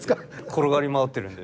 転がり回ってるんで。